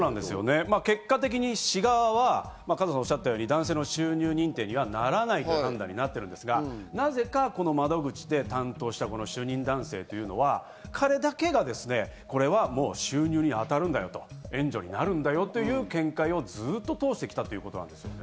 結果的に市側は加藤さんがおっしゃったように男性の収入認定にはならないとなっていますが、なぜか窓口で担当した主任男性は彼だけが、これは収入に当たるんだよと、援助になるんだよという見解をずっと通してきたということですね。